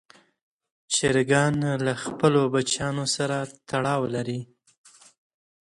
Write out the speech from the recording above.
چرګان له خپلو بچیانو سره تړاو لري.